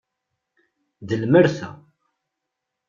D lmerta.